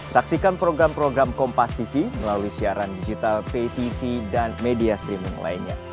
saksikan program program kompas tv melalui siaran digital pay tv dan media streaming lainnya